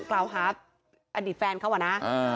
กล่าวหาอดีตแฟนเขาอะนะ